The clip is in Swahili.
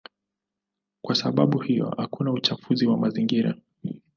Kwa sababu hiyo hakuna uchafuzi wa mazingira.